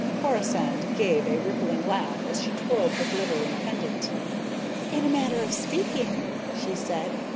Corisande gave a rippling laugh as she twirled her glittering pendant. "In a manner of speaking," she said.